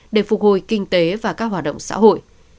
để phục hồi kinh tế và các hoạt động xã hội